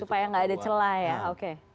supaya nggak ada celah ya oke